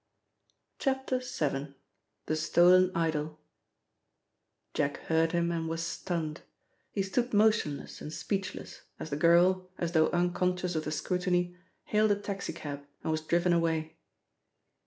VII. — THE STOLEN IDOL JACK heard him and was stunned. He stood motionless and speechless, as the girl, as though unconscious of the scrutiny, hailed a taxi cab and was driven away.